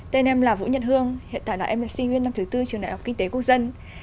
tên em là vũ nhật hương hiện tại là em là sinh viên năm thứ tư trường đại học kinh tế quốc dân